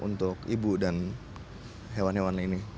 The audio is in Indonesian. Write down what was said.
untuk ibu dan hewan hewan ini